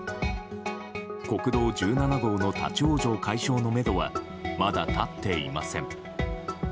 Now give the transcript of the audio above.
国道１７号の立ち往生解消のめどは、まだ立っていません。